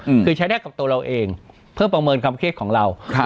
อืมคือใช้ได้กับตัวเราเองเพื่อประเมินความเครียดของเราครับ